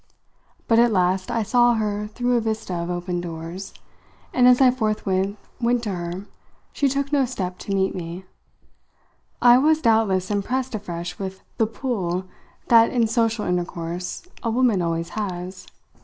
But at last I saw her through a vista of open doors, and as I forthwith went to her she took no step to meet me I was doubtless impressed afresh with the "pull" that in social intercourse a woman always has.